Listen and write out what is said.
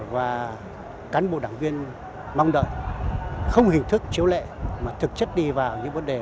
và cán bộ đảng viên mong đợi không hình thức chiếu lệ mà thực chất đi vào những vấn đề